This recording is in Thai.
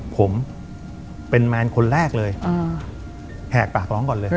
ผมเป็นแมนคนแรกเลยแหกปากร้องก่อนเลย